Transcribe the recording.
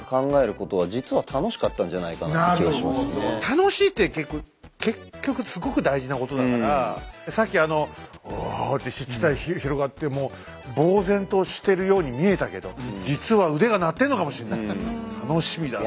楽しいって結局すごく大事なことだからさっきあの「おぉ」って湿地帯広がってもうぼう然としてるように見えたけど楽しみだなあ。